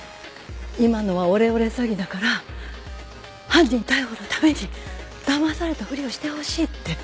今のはオレオレ詐欺だから犯人逮捕のためにだまされたふりをしてほしいって。